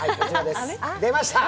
出ました！